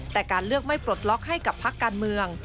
แต่การเลือกไม่ปลดล็อกให้กับพักการเมือง